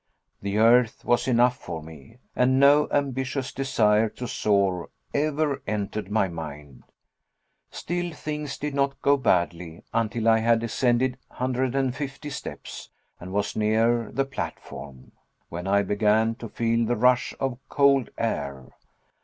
The earth was enough for me, and no ambitious desire to soar ever entered my mind. Still things did not go badly until I had ascended 150 steps, and was near the platform, when I began to feel the rush of cold air.